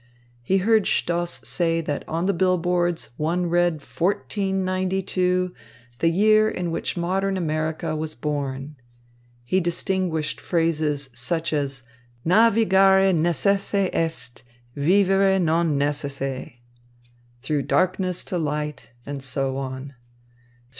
He heard Stoss say that on the bill boards one read "1492," the year in which modern America was born. He distinguished phrases such as "navigare necesse est, vivere non necesse," "through darkness to light," and so on.